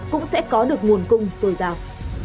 cũng sẽ có được nguồn cung sôi rào